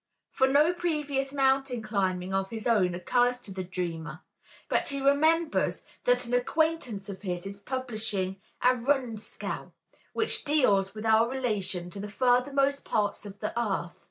For no previous mountain climbing of his own occurs to the dreamer, but he remembers that an acquaintance of his is publishing a "Rundschau," which deals with our relation to the furthermost parts of the earth.